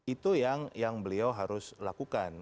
itu yang beliau harus lakukan